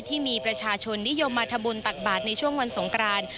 ที่มีประชาชนนิยมมาทำบุญตักบาทในช่วงวันสงกราน